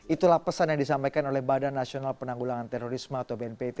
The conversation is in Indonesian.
itulah pesan yang disampaikan oleh badan nasional penanggulangan terorisme atau bnpt